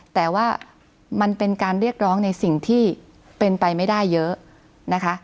แต่ว่ามันเป็นการเรียกร้องในสิ่งที่เป็นไปไม่ได้เยอะนะคะ